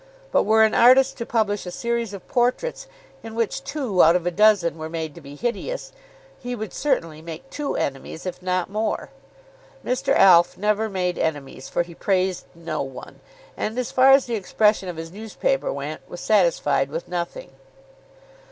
But were an artist to publish a series of portraits, in which two out of a dozen were made to be hideous, he would certainly make two enemies, if not more. Mr. Alf never made enemies, for he praised no one, and, as far as the expression of his newspaper went, was satisfied with nothing.